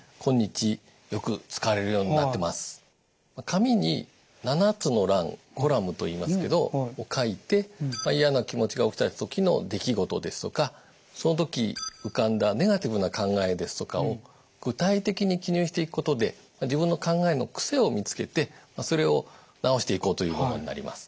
紙に７つの欄コラムといいますけどを書いて嫌な気持ちが起きた時の出来事ですとかその時浮かんだネガティブな考えですとかを具体的に記入していくことで自分の考えの癖を見つけてそれを直していこうというものになります。